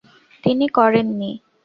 তিনি করেন নি।